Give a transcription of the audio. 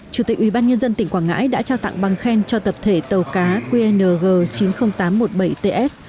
chủ tịch ubnd tỉnh quảng ngãi đã trao tặng bằng khen cho tập thể tàu cá qng chín mươi nghìn tám trăm một mươi bảy ts